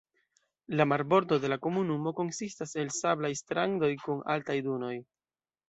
La marbordo de la komunumo konsistas el sablaj strandoj kun altaj dunoj.